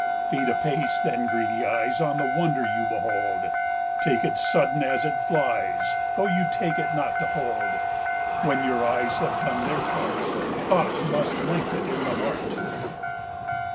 Feed apace then, greedy eyes, On the wonder you behold; Take it sudden as it flies, Though you take it not to hold:When your eyes have done their part, Thought must length it in the heart.